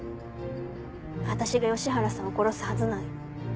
私が吉原さんを殺すはずない。